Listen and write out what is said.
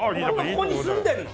ここに住んでるの。